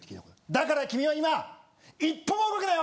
だから君は今一歩も動くなよ！